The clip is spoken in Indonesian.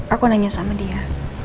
aku nanya sama dia